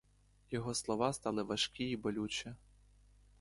Його слова стали важкі й болючі.